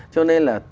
cho nên là